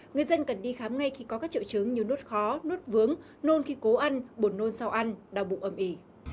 người dân cần đi khám ngay khi có các triệu chứng như nuốt khó nuốt vướng nôn khi cố ăn bột nôn sau ăn đau bụng ấm ỉ